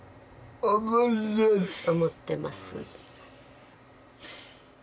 「思ってます」